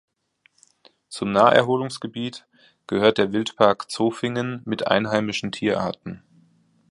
Zum Naherholungsgebiet gehört der Wildpark Zofingen mit einheimischen Tierarten.